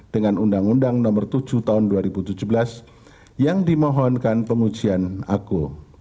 dengan undang undang nomor tujuh tahun dua ribu tujuh belas yang dimohonkan pengujian aku